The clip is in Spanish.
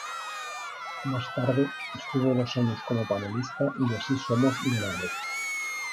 Más tarde, estuvo dos años como panelista de "Así somos" de La Red.